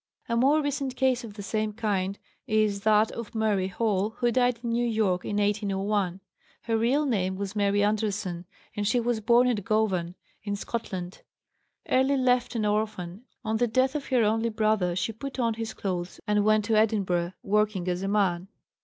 A more recent case of the same kind is that of "Murray Hall," who died in New York in 1901. Her real name was Mary Anderson, and she was born at Govan, in Scotland. Early left an orphan, on the death of her only brother she put on his clothes and went to Edinburgh, working as a man.